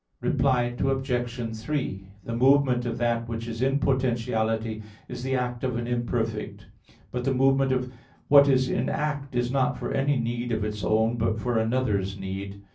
Reply Obj. 3: The movement of that which is in potentiality is the act of an imperfect but the movement of what is in act is not for any need of its own, but for another's need.